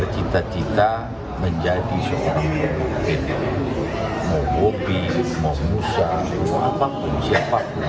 tidak boleh bawa beras ya jangan pakai beras